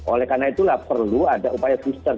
oleh karena itulah perlu ada upaya booster